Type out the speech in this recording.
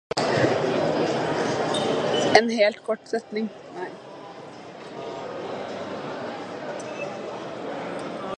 En helt kort setning.